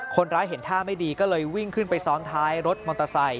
เห็นท่าไม่ดีก็เลยวิ่งขึ้นไปซ้อนท้ายรถมอเตอร์ไซค